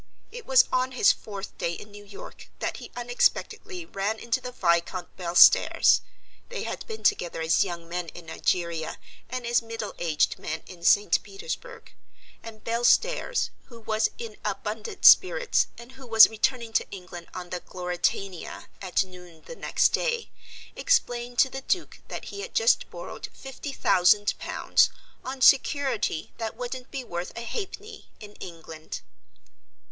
It was on his fourth day in New York that he unexpectedly ran into the Viscount Belstairs (they had been together as young men in Nigeria, and as middle aged men in St. Petersburg), and Belstairs, who was in abundant spirits and who was returning to England on the Gloritania at noon the next day, explained to the Duke that he had just borrowed fifty thousand pounds, on security that wouldn't be worth a halfpenny in England.